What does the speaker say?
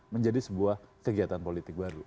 menjadi sebuah kegiatan politik baru